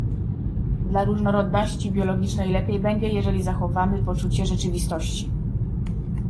Dla różnorodności biologicznej najlepiej będzie, jeżeli zachowamy poczucie rzeczywistości